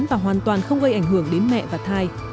và hoàn toàn không gây ảnh hưởng đến mẹ và thai